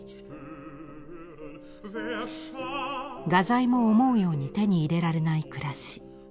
画材も思うように手に入れられない暮らし。